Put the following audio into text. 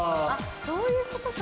そういうことか。